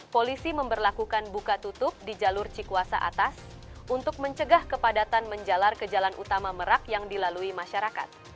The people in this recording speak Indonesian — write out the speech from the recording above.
polisi memperlakukan buka tutup di jalur cikuasa atas untuk mencegah kepadatan menjalar ke jalan utama merak yang dilalui masyarakat